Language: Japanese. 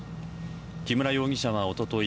木村容疑者はおととい